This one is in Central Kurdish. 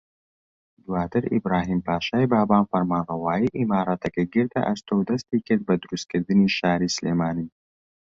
دواتر ئیبراھیم پاشای بابان فەرمانڕەوایی ئیمارەتەکەی گرتە ئەستۆ و دەستیکرد بە دروستکردنی شاری سلێمانی